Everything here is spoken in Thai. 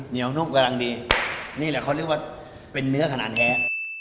เหนียวนุ่มกำลังดีนี่แหละเขาเรียกว่าเป็นเนื้อขนาดแท้